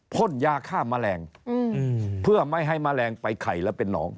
พ่นยาฆ่ามัลแหลงเพื่อไม่ให้มัลแหลงใส่ใครและเป็นหนอง